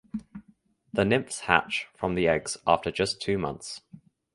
The nymphs hatch from the eggs after just two months.